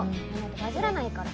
バズらないから。